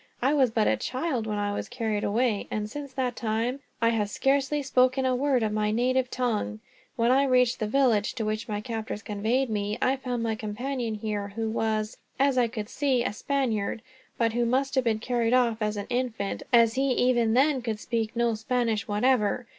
I was but a child, when I was carried away; and since that time I have scarcely spoken a word of my native tongue. When I reached the village to which my captors conveyed me, I found my companion here; who was, as I could see, a Spaniard, but who must have been carried off as an infant, as he even then could speak no Spanish, whatever.